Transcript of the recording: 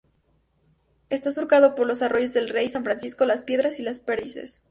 Está surcado por los arroyos Del Rey, San Francisco, Las Piedras y Las Perdices.